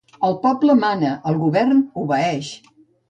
El poble mana, el govern obeeix!